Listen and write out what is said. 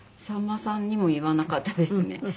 さんまさんにも言わなかったですね。